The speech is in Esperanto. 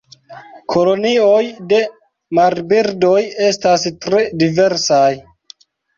Kolonioj de marbirdoj estas tre diversaj.